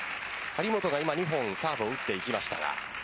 張本が今２本サーブを打っていきました。